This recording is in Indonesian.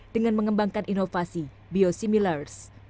dengan mengembangkan inovasi biosimilars